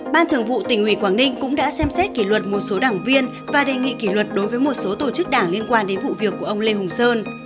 ban thường vụ tỉnh ủy quảng ninh cũng đã xem xét kỷ luật một số đảng viên và đề nghị kỷ luật đối với một số tổ chức đảng liên quan đến vụ việc của ông lê hùng sơn